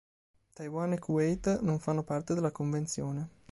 Taiwan e Kuwait non fanno parte della Convenzione.